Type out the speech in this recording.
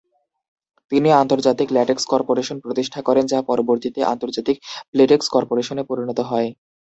তিনি আন্তর্জাতিক latex corporation প্রতিষ্ঠা করেন, যা পরবর্তীতে আন্তর্জাতিক প্লেটেক্স কর্পোরেশনে পরিণত হয়।